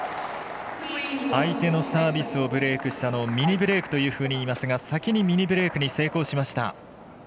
相手のサービスをブレークしたのをミニブレークといいますが先にミニブレークに成功しました。